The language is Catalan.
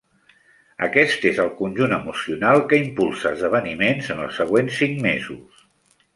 Aquest és el conjunt emocional que impulsa esdeveniments en els següents cinc mesos.